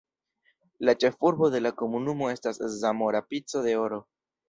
La ĉefurbo de la komunumo estas Zamora Pico de Oro.